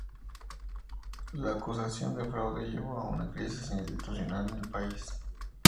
La acusación de fraude llevó a una crisis institucional en el país.